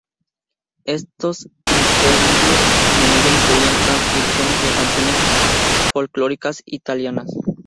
Estos interludios a menudo incluyen transcripciones de canciones folclóricas italianas.